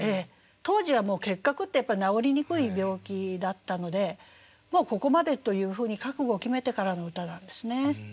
当時はもう結核ってやっぱり治りにくい病気だったのでもうここまでというふうに覚悟を決めてからの歌なんですね。